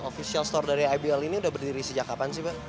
official store dari ibl ini sudah berdiri sejak kapan sih mbak